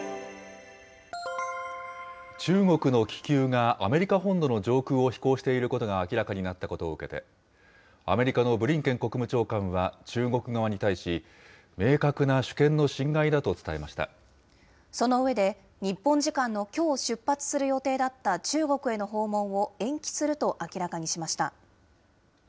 中国の気球がアメリカ本土の上空を飛行していることが明らかになったことを受けて、アメリカのブリンケン国務長官は中国側に対し、その上で、日本時間のきょう出発する予定だった中国への訪問を延期すると明らかにしました。